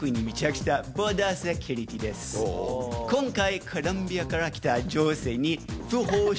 今回。